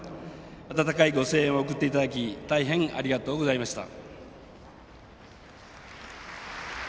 温かいご声援を送っていただき大変ありがとうございました。